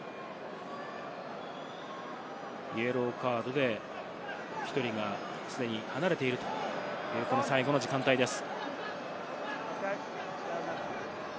イエローカードで１人が既に離れているという最後の時間帯です。